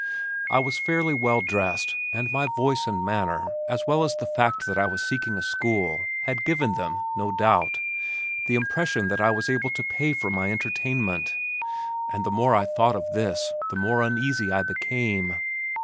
I was fairly well dressed and my voice and manner, as well as the fact that I was seeking a school, had given them, no doubt, the impression that I was able to pay for my entertainment, and the more I thought of this the more uneasy I became.